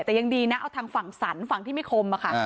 แต่ยังดีนะเอาทางฝั่งสันฝั่งที่ไม่คมอะค่ะ